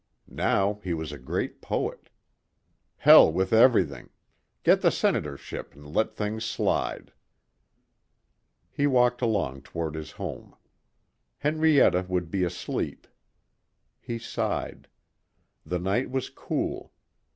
Now he was a great poet. Hell with everything.... Get the senatorship and let things slide. He walked along toward his home. Henrietta would be asleep. He sighed. The night was cool.